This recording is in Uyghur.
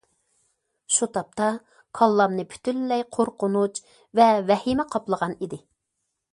شۇ تاپتا كاللامنى پۈتۈنلەي قورقۇنچ ۋە ۋەھىمە قاپلىغان ئىدى.